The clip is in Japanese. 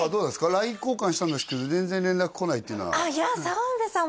ＬＩＮＥ交換したんですけど全然連絡来ないっていうのはいや澤部さん